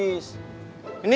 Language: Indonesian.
bisa gue bawa ke rumah